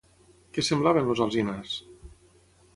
Què semblaven els alzinars?